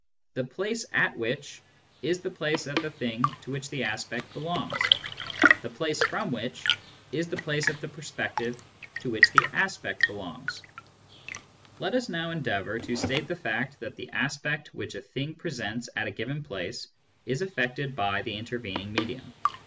The " place at which " is the place of the thing to which the aspect belongs ; the " place from which " is the place of the perspective to which the aspect belongs. Let us now endeavour to state the fact that the aspect which a thing presents at a given place is aflTected by the Digitized by Google THE EXTERNAL WORLD 93 intervening medium.